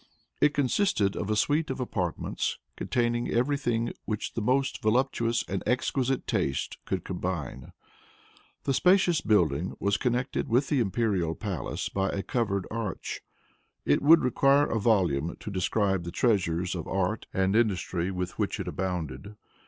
It consisted of a suite of apartments containing every thing which the most voluptuous and exquisite taste could combine. The spacious building was connected with the imperial palace by a covered arch. It would require a volume to describe the treasures of art and industry with which it abounded.